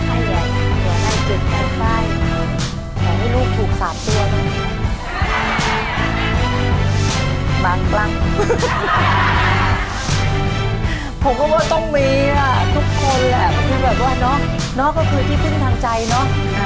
คือแบบว่าเนาะเนาะก็คือที่ขึ้นทางใจเนาะ